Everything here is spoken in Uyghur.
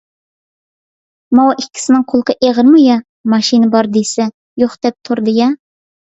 ماۋۇ ئىككىسىنىڭ قۇلىقى ئېغىرمۇ يا؟ ماشىنا بار دېسە يوق دەپ تۇرىدۇ-يا.